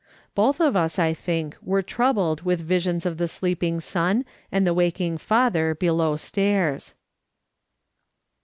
Both of us, I think, were troubled with visions of the sleeping son and the waking father below stairs.